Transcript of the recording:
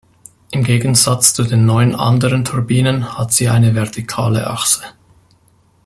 Im Gegensatz zu den neun anderen Turbinen hat sie eine vertikale Achse.